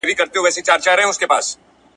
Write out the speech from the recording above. چي د لوږي ږغ یې راغی له لړمونه `